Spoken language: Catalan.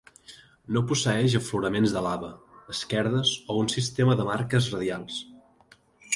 No posseeix afloraments de lava, esquerdes o un sistema de marques radials.